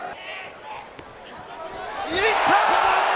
いった！